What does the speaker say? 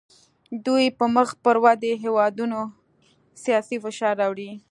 دوی په مخ پر ودې هیوادونو سیاسي فشار راوړي